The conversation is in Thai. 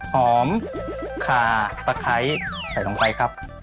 หอมขาตะไคร้ใส่ลงไปครับ